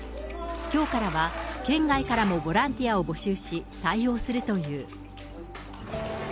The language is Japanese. きょうからは県外からもボランティアを募集し、対応するという。